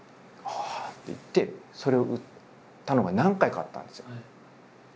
「ああ」って言ってそれを売ったのが何回かあったんですよ。